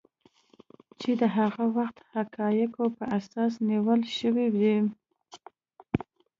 چې د هغه وخت حقایقو په اساس نیول شوي دي